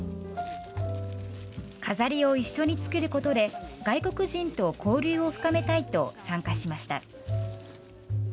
飾りを一緒に作ることで外国人と交流を深めたいと参加しました。